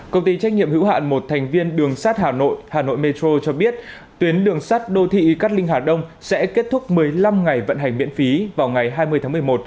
công ty trách nhiệm hữu hạn một thành viên đường sát hà nội hà nội metro cho biết tuyến đường sắt đô thị cát linh hà đông sẽ kết thúc một mươi năm ngày vận hành miễn phí vào ngày hai mươi tháng một mươi một